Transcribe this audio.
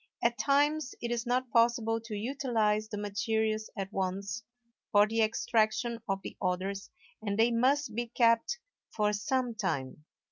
At times it is not possible to utilize the materials at once for the extraction of the odors and they must be kept for some time.